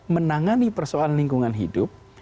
menangani persoalan lingkungan hidup